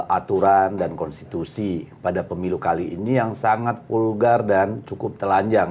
aturan dan konstitusi pada pemilu kali ini yang sangat vulgar dan cukup telanjang